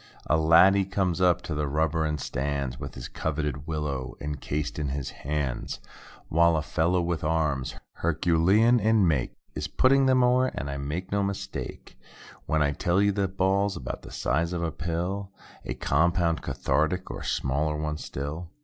A laddie comes up to the rubber and stands With his coveted willow encased in his hands. While a fellow with arms—Herculean make. Is putting them o'er; and I make no mistake When I tell you that ball's 'bout the size of a pill— A compound cathartic—or smaller one still.